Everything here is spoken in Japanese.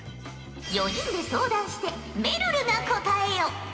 ４人で相談してめるるが答えよ。